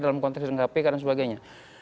dalam konteks kpk dan sebagainya